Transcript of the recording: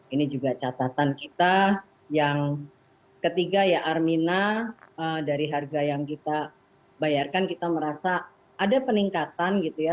ini juga catatan kita yang ketiga ya armina dari harga yang kita bayarkan kita merasa ada peningkatan gitu ya